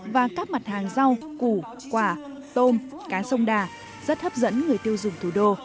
và các mặt hàng rau củ quả tôm cá sông đà rất hấp dẫn người tiêu dùng thủ đô